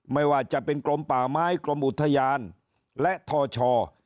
ไม่ว่าจะเป็นกรมป่าไม้กรมอุทยานและทช